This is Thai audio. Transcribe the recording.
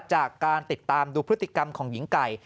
จากการติดตามดูพฤติกรรมของหญิงไก่